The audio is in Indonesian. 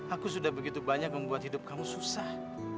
aku sudah begitu banyak membuat hidup kamu susah